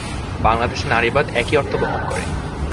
বাংলাদেশে নারীবাদ একই অর্থ বহন করে।